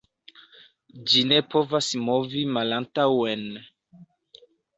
Ĝi ne povas movi malantaŭen.